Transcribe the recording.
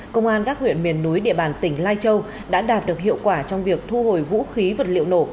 công an các huyện miền núi địa bàn tỉnh lai châu đã đạt được hiệu quả trong việc thu hồi vũ khí vật liệu nổ